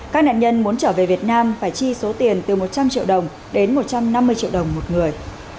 các nạn nhân muốn trở về việt nam phải chi số tiền từ một trăm linh triệu đồng đến một trăm năm mươi triệu đồng một người